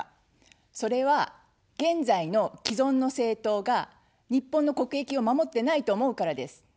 それは、現在の既存の政党が日本の国益を守ってないと思うからです。